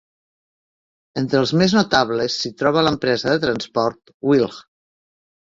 Entre els més notables, s'hi troba l'empresa de transport Wilh.